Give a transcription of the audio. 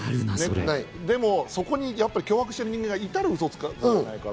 でもそこに脅迫している人間がいたら嘘つかざるを得ないから。